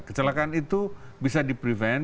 kecelakaan itu bisa di prevent